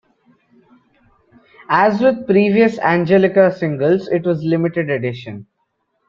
As with previous Angelica singles, it was limited edition.